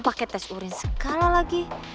paket tes urin segala lagi